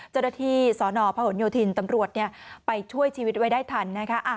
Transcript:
จรฐีสอนอพหนโยธินตำรวจเนี่ยไปช่วยชีวิตไว้ได้ทันนะฮะ